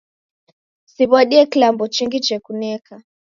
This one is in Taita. Siw'adie kilambo chingi chekuneka.